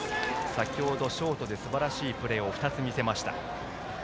先ほどショートで、すばらしいプレーを２つ見せました。